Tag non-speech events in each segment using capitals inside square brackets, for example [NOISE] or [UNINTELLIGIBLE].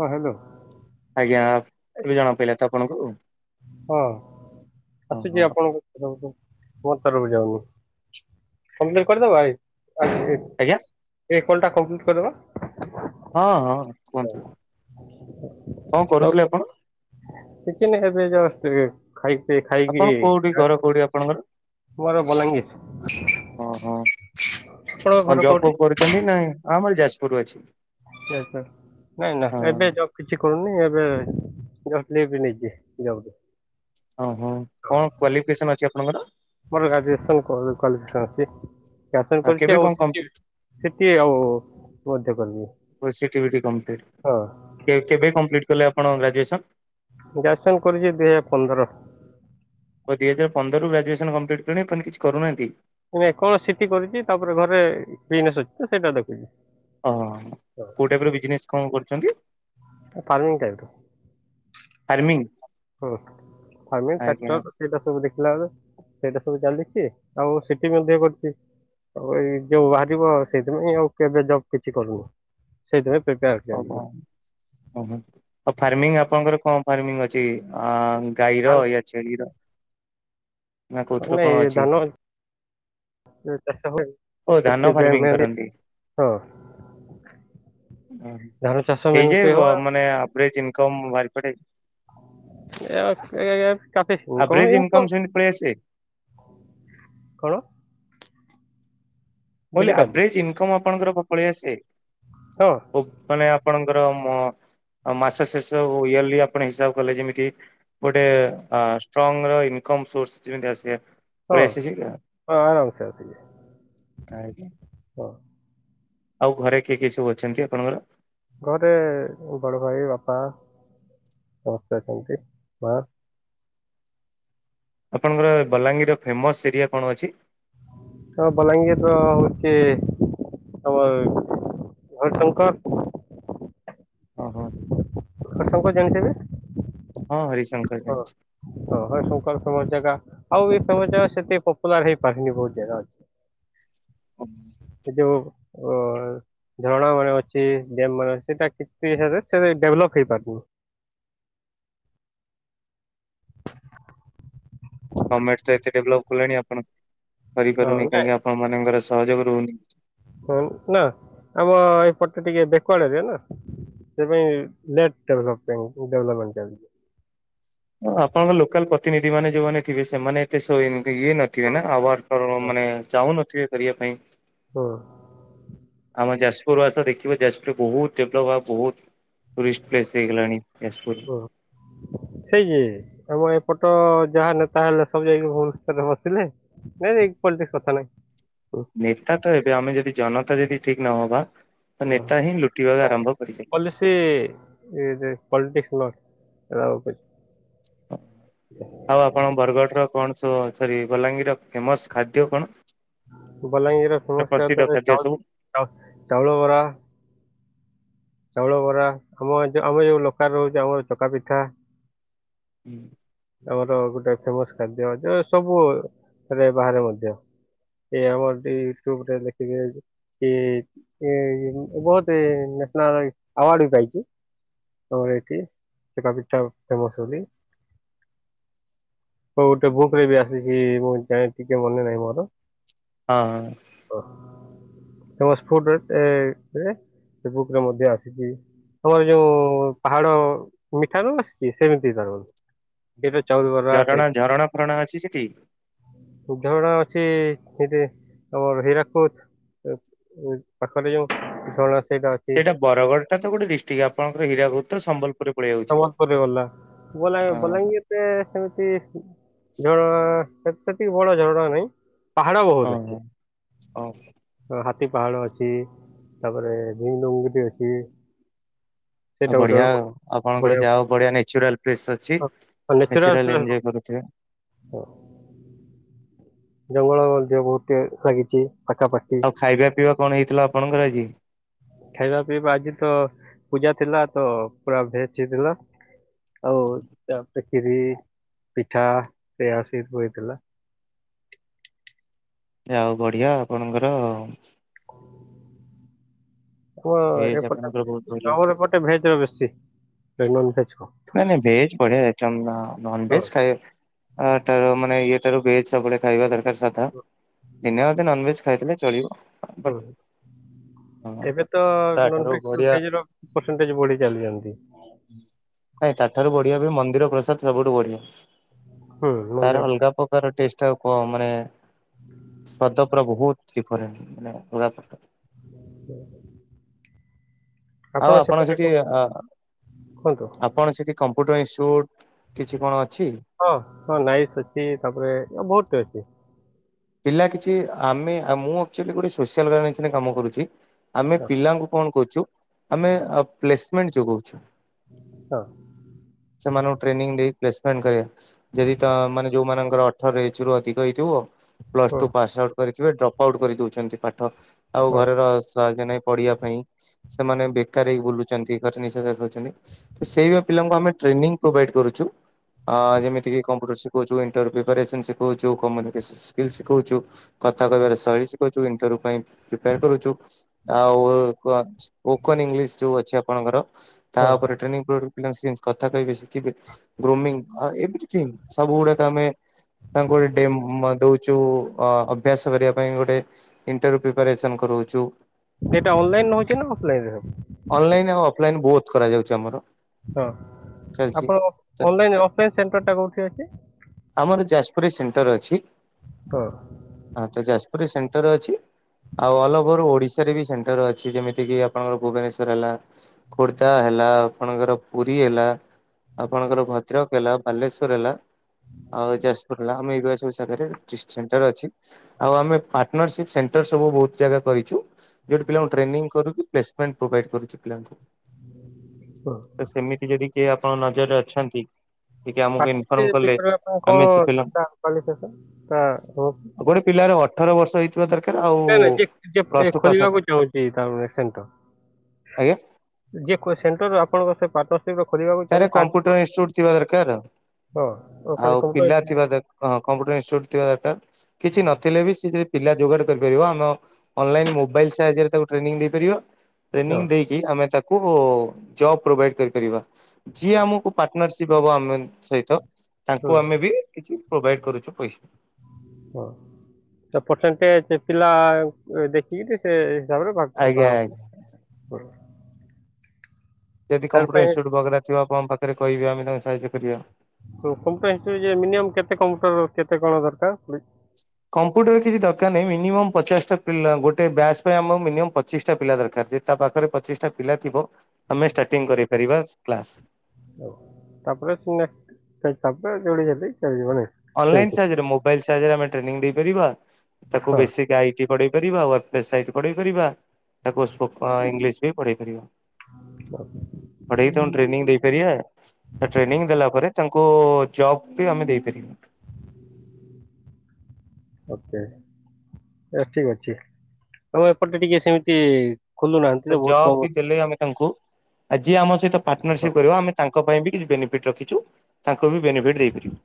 ହଁ ହ୍ୟାଲୋ। ଆଜ୍ଞା ଏବେ ଜଣା ପଡ଼ିଲା ତ ଆପଣଙ୍କୁ। ହଁ ଓହୋ ଆସୁଛି ଆପଣଙ୍କୁ ମ ତରକୁ ଯାଉନି କମ୍ପ୍ଲିଟ କରିଦବ। ଆଜ୍ଞା। ଏ କଲ୍ ଟା କମ୍ପ୍ଲିଟ କରିଦବା। ହଁ ହଁ କୁହନ୍ତୁ। [INAUDIBLE] କଣ ଆଉ କରୁଥିଲେ ଆପଣ? କିଛି ନାଇଁ ଏବେ ଜଷ୍ଟ୍ ଖାଇତେ ଆପଣ ଖାଇକି କୋଉଠି ଘର କୋଉଠି ଆପଣଙ୍କର? ମୋର ବଲାଙ୍ଗୀର, ଓହୋ। ଆପଣଙ୍କ କଣ ଘର ଜବ୍ କୋଉଠି? ଫବ୍ କରୁଛନ୍ତି ନାଇଁ ଆ ଆମର ଯାଜପୁରରୁ ଅଛି। ସେ ସେ ନାଇଁ ନା ହଁ ଏବେ ଜ କିଛି କରୁନି ଏବେ ଜ ବି ନେଇଯ ଯାଉ। ଓ ହୋଉ କଣ କ୍ଵାଲିଫିକେସନ ଅଛି ଆପଣଙ୍କର? ମୋର ଗ୍ରାଜୁଏସନ କରୁ କ୍ଵାଲିଫିକେସନ ଅଛି [UNINTELLIGIBLE] କେବେ କରିଛି କଣ ଆଉ ସିଟି ବି। କମ୍ପ୍ଲିଟ ସେଠି ଆଉ ମଧ୍ୟ କିବି ସିଟିବିଟି କମ୍ପ୍ଲିଟ ହଁ। କେ କେବେ କମ୍ପ୍ଲିଟ୍ କଲେ ଆପଣ ଗ୍ରାଜୁଏସନ? ଗ୍ରାଜୁସନ୍ କରିଛି ଦୁଇ ହଜାର ପନ୍ଦର। ଓ ଦି ହଜାର ପନ୍ଦରରୁ ଗ୍ରାଜୁଏସନ୍ କମ୍ପଲିଟ୍ଣି ଆପଣ କିଛି କରୁନାହାନ୍ତି। ମେ କଣ ସିଟି କରିଛି ତାପରେ ଘରେ ବିଜନେସ୍ ଅଛି ତ ସେଇଟା ଦେଖୁଛି। ଓହ କ ଟାଇପ୍ର ବିଜନେସ୍ କଣ କରୁଛନ୍ତି? Farming type. ଫାର୍ମିଂ? ହୁଁ ଫର୍ମିଂ ଆଜ୍ଞା ଫେଚର। ସେଇଟା ସବୁ ଦେଖିଲା ବେଳେ ସେଇଟା ସବୁ ଚାଲିଛି ଆଉ ସିଟି ମଧ୍ୟ କରିଛି। ଆଉ ଏଇ ଯୋଉ ଆଜିବ ସେଇଥିପାଇଁ ଆଉ କେବେ ଜବ୍ କିଛି କରୁନି। ସେଇଥିପାଇଁ ପ୍ରିପେୟାରେ ଓହୋ। ଚାଲଚି। ଓହୋ ଆଉ ଫାର୍ମିଂ ଆପଣଙ୍କର କଣ ଫାର୍ମିଂ ଅଛି? ଚି ଆ ଗାଈର ୟ ଛେଳିର ନା ମ କୋଉଥିର କଣ ନେଇ ଅଛି ଧାନ। ଚାଷ [INAUDIBLE] ଓ ଧାନ ଫାର୍ମିଂ କରନ୍ତି ଓ ଧାନ ଚାଷ ମେନ୍ ହେଇଯାଏ କେ ଅ ମାନେ ଆପ୍ରେଜ୍ ଇନ୍କମ୍ ବାହାରି ପଡେ। ଆଭରେଜ ଇନକମ ସେମିତି ପଳେଇ ଆସେ? [UNINTELLIGIBLE] କଣ? ମୁଁ କଇଲି ବୁଝିପାରିଲି ଆଭରେଜ ଇନକମ୍ ଆପଣଙ୍କର ପ ପଳେଇ ଆସେ। ହଁ। ଉ ମାନେ ଆପଣଙ୍କର ମ ମାସ ଶେଷ ଇୟରଲି ଆପଣ ହିସାବ କଲେ କେମିତି? ଗୋଟେ ଆ ଷ୍ଟଙ୍ଗ ର ଇନ୍ କମ୍ ସର୍ସ ଯେମତି ଆସେ। ହଁ ହଁ ଆରାମ ସେ ଆସ। ଆଜ୍ଞା ଆଉ ଘରେ କିଏ କିଏ ସବୁ ଅଛନ୍ତି ଆପଣଙ୍କର? ଘରେ ବଡ଼ ଭାଇ ବାପା ସମସ୍ତେ ଅଛନ୍ତି ମା। ଆପଣଙ୍କର ବଲାଙ୍ଗୀର ଫେମସ୍ ଏରିଆ କଣ ଅଛି? ହଁ ବଲାଙ୍ଗୀର ର ହଉଛି ତମର ହରିଶଙ୍କର। ଓହୋ। ହରିଶଙ୍କର ଜାଣିଥିବେ? ହଁ ହରିଶଙ୍କର। ହଁ। ଜାଣିଛି। ଓ ହ ଶଙ୍କର ସମଜ ଜାଗା ଆଉ ବି ସମ ଜାଗା ସେତି ପପୁଲାର ହେଇପାରନି ବହୁତ ଜାଗା ଅଛି। [INAUDIBLE] ଏ ଯୋଉ ଓଅ ଝରଣା ମାନେ ଅଛି ଗେମ୍ ମାନେ ଅଛି ସେଇଟା କିରେ ସେ ଡେଭଲପ୍ ହେଇପାରୁନି। ଗଣମେଣ୍ଟ ଏତେ ଡେଭଲପ୍ କଲେଣି ଆପଣ ହଁ କରିପାରୁନି ନାଇଁ କାହିଁକି ଆପଣ ମାନଙ୍କର ସହଯୋଗ ରହୁନି। ହ ନା ଆମ ଏପଟେ ଟିକେ [UNINTELLIGIBLE] [UNINTELLIGIBLE] ଆପଣଙ୍କ ଲୋକାଲ ପ୍ରତିନିଧି ମାନେ ଯୋଉମାନେ ଥିବେ ସେମାନେ ଏତେ ଶୋଇ ଇଏ ନଥିବେନା ଆୱାର ହୁଁ ମାନେ ଚାହୁଁନଥିବେ କରିବା ପାଇଁ ହୁଁ। ଆମ ଯାଜପୁରରୁ ଆସ ଦେଖିବ ଯାଜପୁରରେ ବହୁତ ଡେଭଲପ ହବ ବହୁତ। ଟୁୁରରିଷ୍ଟ ପ୍ଲେସ ହେଇଗଲାଣି [UNINTELLIGIBLE] [UNINTELLIGIBLE] ସେଇଯେ ଆମ ଏପଟ ଯାହା ନେତା ହେଲେ ସବୁଭୁବନେଶ୍ୱର ଯାଇକି। ନାଇଁ ପଲଟିକ୍ସ କଥା ନାହିଁ। ନେତା ତ ଏବେ ଆମେ ଯଦି ଜନତା ଯଦି ଠିକ ନହେବା ନେତାହିଁ ଲୁଟିବାକୁ ଆରମ୍ଭ କରିଚେ। କହିଲେ ସେ ଏଇଯେ ପଲିଟିିକସ [UNINTELLIGIBLE] ହଉ ଆଉ ଆପ କଣ ବରଗଡ଼ର କଣ ସବୁ ସରି ବଲାଙ୍ଗୀର ଫେମସ ଖାଦ୍ୟ କଣ? ବଲାଙ୍ଗୀରର ଫେମସ ପ୍ରସିଦ୍ଧ ଖାଦ୍ୟ ଚାଉଳ ସବୁ ଚାଉଳ ଚାଉଳବରା। ଚାଉଳ ବରା ଆମ ଯୋଉ ଆମ ଯୋଉ ଲୋକାଲ ରହୁଛି ଆମର ଚକା ପିଠା। ହୁଁ। ଆମର ଗୋଟେ ଫେମସ ଖାଦ୍ୟ [UNINTELLIGIBLE] ସବୁରେ ବାହାରେ ମଧ୍ୟ। ଏଇ ଆମର ଦି ଇଟ୍ୟୁବଟା ଦେଖିିଲେ। କି କି ବହୁତ ନ୍ୟାସନାଲ ଆୱାର୍ଡବି ପାଇଛି। ତମର ଏଇଠି ଚେକାପିଠା ଫେମସ ବୋଲି। ହଉ ଗୋଟେ ବୁଙ୍କରେବି ଆସିଛି ମୁଁ ଯାଇଏ ଟିକେ ମନେ ନାହିଁ ମୋର ହଁ ହଁ ଓରେ ମଧ୍ୟ ଆସିଛି। ତମର ଯୋଉ ପାହାଡ ମିଠା ନୁହେଁନା ସେମିତି କରୁୁ। ଝରଣା ଝରଣା ଫରଣା ଅଛି ସେଠି। ଧରଣା ଅଛି ସେଠି ଆମର ହୀରାକୁଦ। ପାଖରେ ଯୋଉ ଝରଣା ସେଇଟା ଅଛି। ବରଗଡ଼ଟ ତ ଗୋଟ ଡିଷ୍ଟିକ୍ ଆପଣଙ୍କର ହୀରାଦତ ସମ୍ବଲପୁର। ସମବଲପୁର ଗଲା ଗଲା ହଁ ବଲାଙ୍ଗୀର। ସେମିତି ଝରଣା ସେତିକି ବଡ ଝରଣା ନାହିଁ। ପାହାଡ ବହୁତ ଓହୋ ଅଛି। ଓ ହାତୀ ପାହାଡ ଅଛି ତାପରେ [UNINTELLIGIBLE] ଅଛି। ଆଉ ସେଇଟା ଗୋଟେ ବଢିଆ ଆପଣଙ୍କର ବଢିଆ ଯାହାଉ ବଢିଆ ନେଚୁରାଲ [UNINTELLIGIBLE] ଅଛି ନେଚୁରାଲ ଏନଜୟ କରୁଥିବେ। ଉୁଁ। ଜଙ୍ଗଲ ମଧ୍ୟ ବହୁତ ଲାଗିଛି ପାଖାପାଖି। ଆଉ ଖାଇବା ପିଇବା କଣ ହେଇଥିଲା ଆପଣଙ୍କର ଆଜି? ଖାଇବା ପିଇବା ଆଜିତ ପୂଜା ଥିଲାତ ପୁରା ଭେଜ ହେଇଥିଲା। ଆଉକିରି ପିଠା ସେଇଆ ସବୁ ହେଇଥିଲା। ଆଉ ବଢିଆ ଆପଣଙ୍କର ଆ ଭେଜ ଏପଟେ ଆପଣଙ୍କର ବହୁତ ବଢ଼ିଆ। ଚାଉଳ ଏପଟେ ଭେଜ ବେଶୀ ନନ ଭେଜ। ନାଇଁ ନାଇଁ ଭେଜ ବଢେ ଏ ନନ ହଁ ଭେଜ ଖାଇବାପାଇଁ। ଆରୁ ମାନେ ଇଏଟାରୁ ଭେଜ ସବୁବେଳେ ଖାଇବା ଦରକାର ସାଧା ଦିନେ ଅଧେ ନନ ଭେଜ। ଖାଇଥିଲେ ଚଳିବ। ବଟ୍ [UNINTELLIGIBLE] ହଁ ତାଠାରୁ ବଢ଼ିଆ ପରସେଣ୍ଟେଜ ବଢି ଚାଲିଚନ୍ତି। ନାଇ ତା ଠାରୁ ବଢିଆ ବି ମନ୍ଦିର ପ୍ରସାଦ ସବୁଠୁ ବଢିଆ ହୁଁ ତାର ମନ୍ଦିର ଅଲଗା ପ ତାର ଟଷ୍ଟ ଆଉ କୁଅ ମାନେ ଶ୍ଵାଦ ପୁରା ବହୁତ। ଡିଫରେଣ୍ଟ ମାନେ ମୂଳା ପରଟା। ହ ଆଉ ଆପଣ ସେଠି କୁହନ୍ତୁ ଆ କଣ ସେଠି କମ୍ପ୍ୟୁଟର ଇନଷ୍ଟିଚ୍ୟୁଟ୍ କିଛି କ ଣ ଅଛି। ହଁ ହଁ ନାଇସ୍ ଅଛି ତାପରେ ଆଉ ବହୁତ ଅଛି। ପିଲା କିଛି ଆମେ ମୁଁ ଆକଚୁଆଲି ଗୋଟେ ସୋସିଆଲ ଅରଗାନାଇଜେସନ ରେ କାମ କରୁଛି। ଆମେ ହଁ ପିଲାଙ୍କୁ କଣ କହୁଛୁ ଆମେ ପ୍ଲେସମେଣ୍ଟ ଯୋଗଉଛୁ। ହଁ। ସେମାନଙ୍କୁ ଟ୍ରେନିଂ ଦେଇ ପ୍ଲେସମେଣ୍ଟ କରିବା। ଯଦି ତ ମାନେ ଯୋଉମାନଙ୍କର ଅଠର ଏଜ୍ ରୁ ଅଧିକ ହେଇଥିବ। ପ୍ଲସ ଟୁ ହଁ ପାସ୍ ଆଉଟ୍ କରିଥିବେ ଡ୍ରପ୍ ଆଉଟ୍ କରିଦଉଛନ୍ତି ପାଠ ଆଉ ଘରର ଅସ କହିବେ ନାଇଁ ପଢିବା ପାଇଁ ସେମାନେ ବେକାର ହେଇି ବୁଲୁ ଛନ୍ତି [UNINTELLIGIBLE] ସେଇଭଳି ପିଲାଙ୍କୁ ଆମେ ଟ୍ରେନିଂ ପ୍ରୋଭାଇଡ୍ କରୁଛୁ। ଆ ଯେମିତି କି କମ୍ପ୍ୟୁଟର ଶିଖାଉଛୁ‌ ଇନଣ୍ଟର ପ୍ରିପାରେସନ ସିଖଉଛୁ କମ୍ୟୁନିକେସନ ସ୍କି ସ୍କିଲ୍‌ ଶିଖଉଛୁ କଥା କହିବାର ଶୈଳୀ ଶିଖଉଛୁ ଇଣ୍ଟରଭ୍ୟୁ ପାଇଁ ପ୍ରିପେୟାର କରୁଛୁ। ଆଉ ଏ କ ସ୍ପୋକନ ଇଂଲିଶ ଯୋଉ ଅଛି ଆପଣଙ୍କର ତା ହଁ ଉପରେ ହଁ ଟ୍ରେନିଂ ପ ପିଲା କେମିତି କଥା କହିବେ ଶିଖିବେ ଗ୍ରୋମିଙ୍ଗ ଏଭ୍ରିଥିଙ୍ଗ୍ ସବୁ ଗୁଡ଼ାକ ଆମେ। ତାଙ୍କୁ ଏ ଡେମୋ ଦଉ ତୁ ଅ‌ ଅଭ୍ୟାସ କରିବା ପାଇଁ ଗୋଟେ ଇଣ୍ଟରଭ୍ୟୁ ପ୍ରିପାରେସନ କରଉଛୁ। ସେଟା ଅନଲାଇନ ରେ ହଉଛି ନା ଅଫଲାଇନ ହବ। ଅନଲାଇନ ଆଉ ଅଫଲାଇନ୍ ବୋଥ୍ କରାଯାଉଛି ଆମର। ହଁ ଚାଲିଛି। ଆପଣଙ୍କ ଅନଲାଇନ୍ ଅଫଲାଇନ ସେଣ୍ଟର ଟା କୋଉଠି ଅଛି। ଆମର ଯାଜପୁରରେ ସେଣ୍ଟର ଅଛି। ତ। ହଁ ତ ଯାଜପୁରରେ ସେଣ୍ଟର ଅଛି। ଆଉ ଅଲ ଓଭର ଓଡିଶାରେ ବି ସେଣ୍ଟର ଅଛି ଯେମିତି କି ଆପଣଙ୍କର ଭୁବନେଶର ହେଲା। ଖୋର୍ଦ୍ଧା ହେଲା ଆପଣଙ୍କର ପୁରୀ ହେଲା। ଆପଣଙ୍କର ଭଦ୍ରକ ହେଲା ବାଲେଶ୍ଵର ହେଲା ଆଉ ଯାଜପୁର ହେଲା ଆମେ ଏଇଭଳିଆ ସବୁ ଜାଗାରେ। ଫ୍ରି ସେଣ୍ଟର ଅଛି ଆଉ ଆମେ ପାର୍ଟନର ସିପ୍ ସେଣ୍ଟର ସବୁ ବହୁତ ଜାଗା କରିଛୁ। ଯୋଉଠି ପିଲାଙ୍କୁ ଟ୍ରେନିଂ କରିକି ପ୍ଲେସମେଣ୍ଟ ପ୍ରୋଭାଇଡ କରୁଛି ପିଲାଙ୍କୁ। ହଁ। ତ ସେମିତି ଯଦି କିଏ ଆପଣ ନଜରରେ ଅଛନ୍ତି। ଟିକେ ଆମକୁ ପାଷ୍ଟ ଇନଫର୍ମ କଲେ ସେଥେରେ ଆପଣଙ୍କ ଆମେ କଣ ସେ ପିଲା ଦରକାର କ୍ୱାଲିଫିକେସନ। ଗୋଟେ ପିଲାର ଅଠର ବର୍ଷ ହେଇଥିବା ଦରକାର ଆଉ। ନାଇଁ ନାଇଁ ଯେ ଯେ ପ୍ଲସ ଏ ଟୁ ପାସ୍ ଆଉଟ୍ ଖୋଲିବାକୁ ଚାହୁଁଛି ତା ସେଣ୍ଟର। ଆଜ୍ଞା ଯେ ସେଣ୍ଟରରେ ଆପଣଙ୍କ ସେ ପାଟ ସେଇ ଟା ଖୋଲିବାକୁ। ତାରେ ଚାହୁଁଛି ତାକୁ କଣ? କମ୍ପ୍ୟୁଟର ଇନ୍ସଟ୍ୟୂଟ୍ ଥିବା ଦରକାର ହଁ ଓ ଖାଲି ଆଉ କମ୍ପ୍ୟୁଟର ପିଲା ଥିବା ଦର ହଁ କମ୍ପ୍ୟୁଟର ଇନ୍ସଟ୍ୟୁଟ ଥିବା ଦରକାର କିଛି ନଥିଲେ ବି ସିଏ ଯଦି ପିଲା ଯୋଗାଡ କରିପାରିବ ଆମ। ଅନଲାଇନ୍ ମୋବାଇଲ ସାହାଯ୍ୟରେ ତାକୁ ଟ୍ରେନିଂ ଦେଇପାରିବ। ହଁ ଟ୍ରେନିଂ ଦେଇକି ଆମେ ତାକୁ ଜବ ପ୍ରୋଭାଇଡ କରିପାରିବା। ଯିଏ ଆମକୁ ପାର୍ଟନରସିପ୍ ହବ ଆମେନ୍ ସହିତ ହଁ ତାଙ୍କୁ ଆମେ ବି କିଛି ପ୍ରୋଭାଇଡ କରୁଛୁ ପଇସା। ହଁ ତ ପରସେଣ୍ଟେଜ ପିଲା ଦେଖ୍ ଦେଖିକି ଟିକେ ସେ ହିସାବରେ [INAUDIBLE] ଆଜ୍ଞା ଆଜ୍ଞା ଯଦି ତାର କମ୍ପୁଟର ପାଇଁ ଇନଷ୍ଟିଚ୍ୟୁଟ ବଗେରା ଥିବ ଆପଣଙ୍କ ପାଖରେ କହିବେ ଆମେ ତାଙ୍କୁ ସାହାଯ୍ୟ କରିବା। ପ୍ରଥମତଃ ଇନଷ୍ଟିଚ୍ୟୁଟ ମିନିୟମ୍ କେତେ କମ୍ପ୍ୟୁଟର କେତେ କଣ ଦରକାର [INAUDIBLE] କମ୍ପ୍ୟୁଟର କିଛି ଦରକାର ନାହିଁ ମିନିମମ୍ ପଚାଶଟା ପିଲା ଗୋଟେ ବ୍ୟାଚ୍ ପାଇଁ ଆମକୁ ମିନିମମ୍ ପଚିଶଟା ପିଲା ଦରକାର ଯେ ତା ପାଖରେ ପଚିଶଟା ପିଲା ଥିବ ଆମେ ଷ୍ଟାର୍ଟିଂ କରେଇ ପାରିବା କ୍ଲାସ୍। ତାପରେ [INAUDIBLE] ତାପରେ ଯୋଡି ହେଲି ଚାଲିବ ନାହିଁ? ଅନଲାଇନ୍ ସାହାଯ୍ୟରେ ମୋବାଇଲ୍ ସାହାଯ୍ୟରେ ଆମେ ଟ୍ରେନିଂ ଦେଇ‌ ପାରିବା ତାକୁ ହଁ ବେସିକ୍ ଆଇଟି ପଢେଇ ପାରିବା [UNINTELLIGIBLE] ପଢେଇ ପାରିବା ତାକୁ ସ୍ପୋକ ଇଂଲିଶ ବି ପଢେଇ ପାରିବା। ହ ପଢେଇ ତାଙ୍କୁ ଟ୍ରେନିଂ ଦେଇପାରିବା। ତ ଟ୍ରେନିଂ ଦେଲା ପରେ ତାଙ୍କୁ ଜବ୍ ବି ଆମେ ଦେଇପାରିବା। ଓକେ, ତ ଠିକ୍ ଅଛି ତମେ ଏପଟେ ଟିକେ ସେମିତି ଖୋଲିନାହାନ୍ତି ତ ବହୁତ ଜବ୍ କମ୍ ବି ଅ ଦେଲେ ଆମେ ତାଙ୍କୁ, ଆ ଯିଏ ଆମ ସହିତ ପାର୍ଟନରସିପ କରିବ ଆମେ ତାଙ୍କ ପାଇଁ ବି କିଛି ବେନିଫିଟ ରଖିଚୁ। ତାଙ୍କୁ ବି ବେନିଫିଟ୍ ଦେଇପାରିବୁ।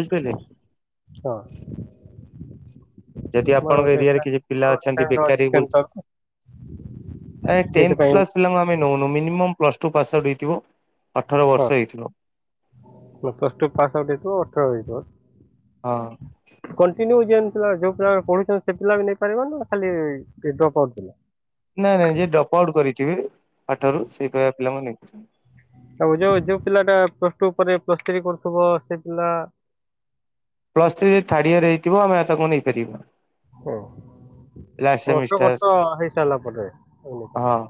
ବୁଝିପାଇଲେ? ହଁ‌। ଯଦି ମୋର ଆପଣଙ୍କ ଗୋଟେ ଏରିଆରେ କିଛି ପିଲା ଫ୍ରେଣ୍ଡ ଅଛନ୍ତି ଫ୍ରେଣ୍ଡର ଅଛି ବେକାର ହେଇ ବୁଲ୍ ସେଣ୍ଟର ଆମେ ଟେନ୍ଥ୍ ସେଇଥିପାଇଁ ପ୍ଲସ୍ ପିଲାଙ୍କୁ ଆମେ ନଉନୁ minimum plus two pass out ହେଇଥିବ, ଅଠର ହଁ ବର୍ଷ ହେଇଥିବ। ପ୍ଲସ୍ ଟୁ ପାସ୍ ଆଉଟ୍ ହେଇଥିବ ଅଠର ହେଇଥିବ। ହଁ। କଣ୍ଟିନ୍ୟୁ ଯେମିତିଆ ଯୋଉ ପିଲା ପଢୁଛନ୍ତି ସେ ପିଲା ବି ନେଇ ପାରିବ ନା ଖାଲି ଯିଏ ଡ୍ରପ୍ ଆଉଟ୍ ପିଲା? ନାଇଁ-ନାଇଁ ଯିଏ ଡ୍ରପ୍ ଆଉଟ୍ କରିଥିବେ ପାଠରୁ ସେଇ ପରିକା ପିଲାଙ୍କୁ ନେଇ ପାରିବୁ। ଆଉ ଯୋଉ ଯୋଉ ପିଲାଟା ପ୍ଲସ ଟୁ ପରେ ପ୍ଲସ ଥ୍ରୀ କରୁଥିବ ସେ ପିଲା ପ୍ଲସ୍ ଥ୍ରୀ ଯଦି ଥାର୍ଡ଼ ଇୟର ହେଇଥିବ ଆମେ ଆଉ ତାକୁ ନେଇପାରିବୁ। ଓ ଗୋଟେ ସେମିଷ୍ଟାର ବର୍ଷ ହେଇସାରିଲା ପରେ ତମେ ନେଇ ହଁ। ପାରିବ।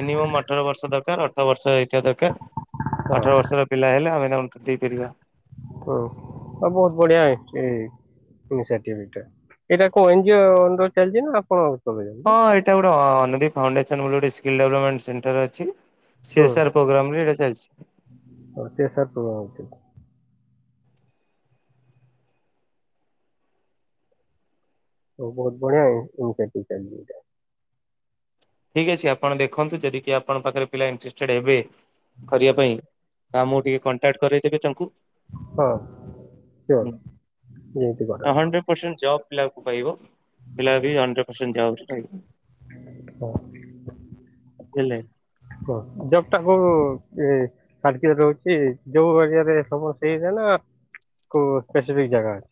ମିନିମମ୍ ଅଠର ବର୍ଷ ଦରକାର ଅଠର ବର୍ଷ ହେଇଥିବା ଦରକାର। ହଁ ଅଠର ବର୍ଷର ପିଲା ହେଲେ ହଁ ଆମେ ତାଙ୍କୁ ଦେଇପାରିବା। ଓ ତ ବହୁତ ବଢିଆ ଅଛି। ଏଇ ସାର୍ଟିଫିକେଟଟା, ଏଇଟା କୋଉ ଏନ୍ ଜି ଓ ଅଣ୍ଡରରେ ଚାଲିଛି ନା ଆପଣ ହଁ ଚଲେଇଛନ୍ତି ଏଇଟା ଗୋଟେ ଅନୁଦୀପ୍ ଫାଉଣ୍ଡେସନ ବୋଲି ଗୋଟେ ସ୍କିଲ୍ ଡେଭଲପମେଣ୍ଟ ସେଣ୍ଟର ଅଛି ସି ଏସ୍ ଆର୍ ପ୍ରୋଗ୍ରାମରେ ଏଇଟା ଚାଲିଛି। ଓ ସି ଏସ୍ ଆର୍ ପ୍ରୋଗ୍ରାମ [UNINTELLIGIBLE] ଚାଲିଛି। ଓ ବହୁତ ବଢିଆ ଇନିସିଏଟିଭ୍ [UNINTELLIGIBLE] ଠିକ୍ ଅଛି ଆପଣ ଦେଖନ୍ତୁ ଯଦି କିିଏ ଆପଣଙ୍କ ପାଖରେ ପିଲା ଇଣ୍ଟରେଷ୍ଟେଡ ହେବେ କରିବା ପାଇଁ ତ ଆମକୁ ଟିକେ କଣ୍ଟାକ୍ଟ କରଇଦେବେ ତାଙ୍କୁ। ହଁ ସିଓର [UNINTELLIGIBLE] ହଣ୍ଡ୍ରେଡ୍ ପରସେଣ୍ଟ୍ ଜବ ପିଲାଙ୍କୁ ପାଇବ ପିଲା ବି ହଣ୍ଡ୍ରେଡ୍ ପରସେଣ୍ଟ [UNINTELLIGIBLE] ହଉ। [INAUDIBLE] ଲେ? କୁହ, ଜବ୍ ଟାକୁ ଏ [UNINTELLIGIBLE] ରହୁଛି ଯୋଉ ଏରିଆରେ ଥବ ସେଇ ଏରିଆରେ ନା କୋଉ ସ୍ପେସିଫିକ୍ ଜାଗା ଅଛି?